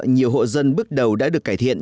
nhiều hộ dân bước đầu đã được cải thiện